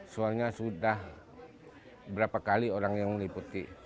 soalnya sudah berapa kali orang yang meliputi